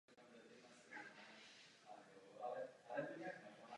Navrhoval také okna pro katedrálu svatého Pavla v Londýně a další.